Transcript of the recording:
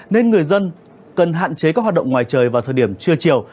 nên người dân cần hạn chế các hoạt động ngoài trời vào thời điểm trưa chiều